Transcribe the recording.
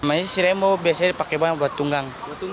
maksudnya si rembo biasanya dipakai banyak buat tunggang